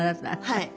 はい。